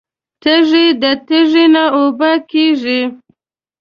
تږې ده تږې نه اوبه کیږي